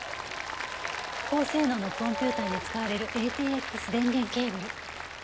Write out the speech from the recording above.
高性能のコンピューターに使われるＡＴＸ電源ケーブル。